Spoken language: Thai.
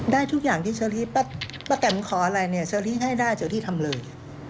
ได้ทุกอย่างที่เชอรี่ป้าแตมขออะไรเนี่ยเชอรี่ให้ได้เชอรี่ทำเลย